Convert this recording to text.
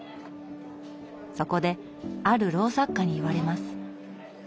そこである老作家に言われます。